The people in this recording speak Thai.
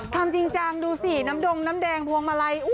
ทำจริงจังดูสิน้ำดงน้ำแดงพวงมาลัย